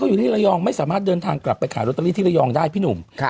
อยู่ที่ระยองไม่สามารถเดินทางกลับไปขายโรตเตอรี่ที่ระยองได้พี่หนุ่ม